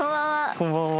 こんばんは。